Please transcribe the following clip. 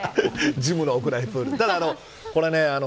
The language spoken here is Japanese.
ジムの屋内プール。